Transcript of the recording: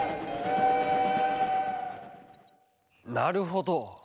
なるほど。